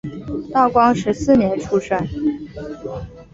道光十四年出生。